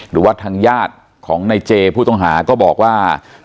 หรือว่าทางญาติของในเจผู้ต้องหาก็บอกว่า